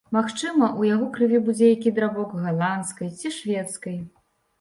Магчыма, у яго крыві будзе які драбок галандскай ці шведскай.